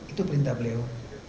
itu perintah beliau